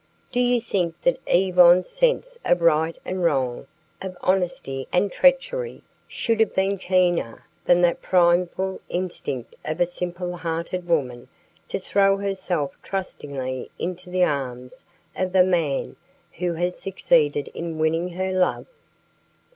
Do you think that Yvonne's sense of right and wrong, of honesty and treachery, should have been keener than that primeval instinct of a simple hearted woman to throw herself trustingly into the arms of the man who has succeeded in winning her love?